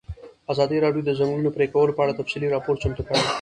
ازادي راډیو د د ځنګلونو پرېکول په اړه تفصیلي راپور چمتو کړی.